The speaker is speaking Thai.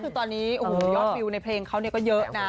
ทีนี้ยอดรีย์ในเพลงเขาก็เยอะนะ